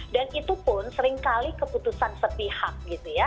dan itu pun sering kali keputusan sepihak gitu ya